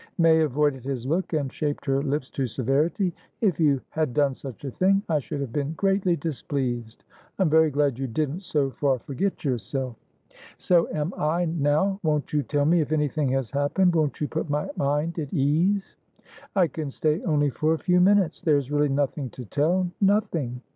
May avoided his look, and shaped her lips to severity. "If you had done such a thingI should have been greatly displeased. I'm very glad you didn't so far forget yourself." "So am I, now. Won't you tell me if anything has happened. Won't you put my mind at ease?" "I can stay only for a few minutes. There's really nothing to tellnothing.